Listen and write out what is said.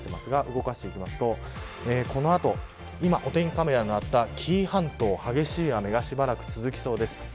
動かしていくとお天気カメラのあった紀伊半島激しい雨がしばらく続きそうです。